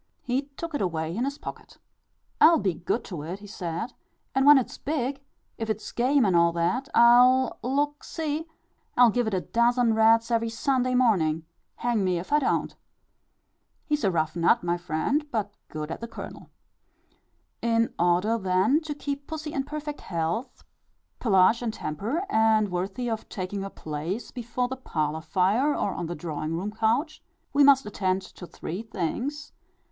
He took it away in his pocket. "I'll be good to it," he said; "and when it's big, if it's game and all that, I'll look, see I'll give it a dozen rats every Sunday morning, hang me if I don't." He is a rough nut, my friend; but good at the kernel. In order, then, to keep pussy in perfect health, pelage, and temper, and worthy of taking her place before the parlour fire, or on the drawing room couch, we must attend to three things, viz.